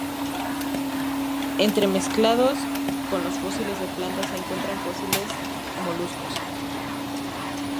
Entremezclados con los fósiles de plantas se encuentran fósiles de moluscos.